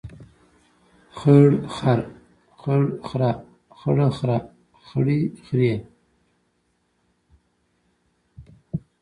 خړ خر، خړ خره، خړه خره، خړې خرې.